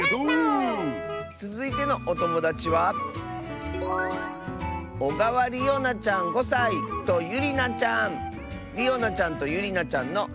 つづいてのおともだちはりおなちゃんとゆりなちゃんの。